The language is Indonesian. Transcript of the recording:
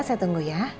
saya tunggu ya